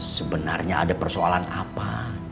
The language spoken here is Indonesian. sebenarnya ada persoalan apa